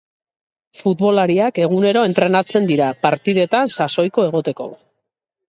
Futbolariak egunero entrenatzen dira, partidetan sasoiko egoteko.